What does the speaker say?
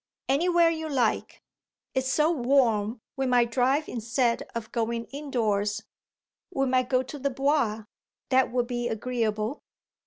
"Anywhere you like. It's so warm we might drive instead of going indoors. We might go to the Bois. That would be agreeable."